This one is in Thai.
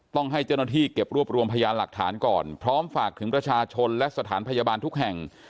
ต้องให้เจ้าหน้าที่เก็บรวบรวมพยานหลักฐานก่อนพร้อมฝากถึงประชาชนและสถานพยาบาลทุกแห่ง